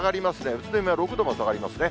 宇都宮は６度も下がりますね。